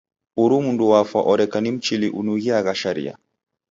Uhu mndu wafwa oreka ni Mchili unughiagha sharia.